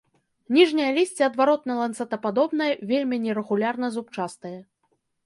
Ніжняе лісце адваротна-ланцэтападобнае, вельмі нерэгулярна зубчастае.